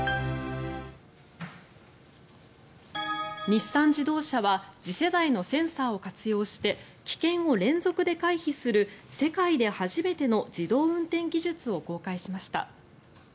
日産自動車は次世代のセンサーを活用して危険を連続で回避する世界で初めての自動運転技術を公開しました。